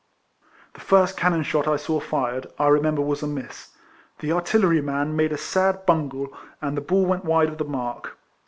The first cannon shot I saw fired, I re member was a miss. The artilleryman made a sad bungle, and the ball went wide of the mark.